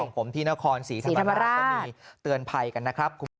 ของผมที่นครศรีธรรมดาต้องมีเตือนภัยกันนะครับ